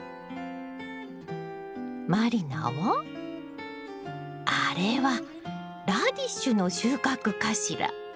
満里奈はあれはラディッシュの収穫かしら。